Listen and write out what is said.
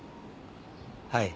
はい。